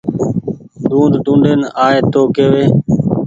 ڊونڊ ڊونڊين آئي تو ڪيوي